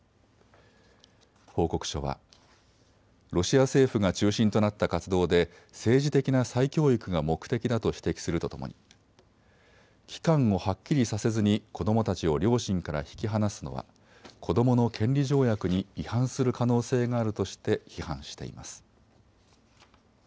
報告書は、ロシア政府が中心となった活動で政治的な再教育が目的だと指摘するとともに期間をはっきりさせずに子どもたちを両親から引き離すのは子どもの権利条約に違反する可能性があるとして批判しています。